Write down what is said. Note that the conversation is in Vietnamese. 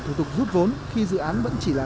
thủ tục rút vốn khi dự án vẫn chỉ là